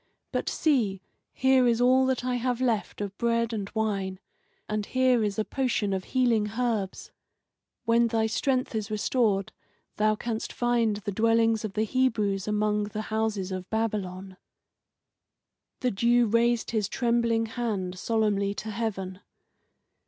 But see, here is all that I have left of bread and wine, and here is a potion of healing herbs. When thy strength is restored thou canst find the dwellings of the Hebrews among the houses of Babylon." The Jew raised his trembling hand solemnly to heaven.